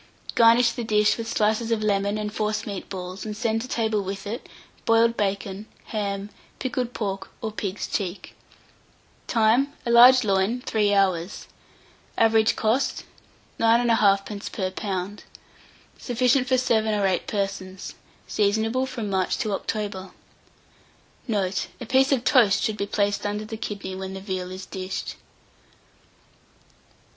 Garnish the dish with slices of lemon and forcemeat balls, and send to table with it, boiled bacon, ham, pickled pork, or pig's cheek. Time. A large loin, 3 hours. Average cost, 9 1/2d. per lb. Sufficient for 7 or 8 persons. Seasonable from March to October. Note. A piece of toast should be placed under the kidney when the veal is dished.